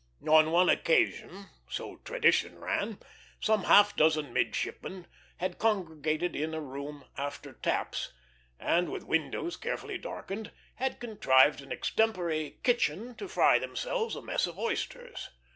On one occasion, so tradition ran, some half dozen midshipmen had congregated in a room "after taps," and, with windows carefully darkened, had contrived an extempore kitchen to fry themselves a mess of oysters.